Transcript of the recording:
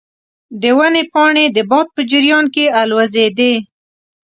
د ونې پاڼې د باد په جریان کې الوزیدې.